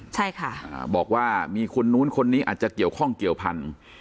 ใช่ค่ะบอกว่ามีคนนู้นคนนี้อาจจะเกี่ยวข้องเกี่ยวพันธุ์